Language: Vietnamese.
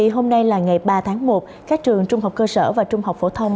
hôm nay là ngày ba tháng một các trường trung học cơ sở và trung học phổ thông